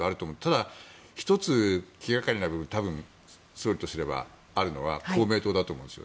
ただ、１つ気がかりな部分総理とすればあると思うのは公明党だと思うんです。